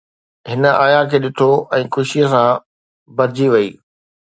هن آپا کي ڏٺو ۽ خوشيءَ سان ڀرجي وئي.